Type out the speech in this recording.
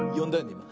いま。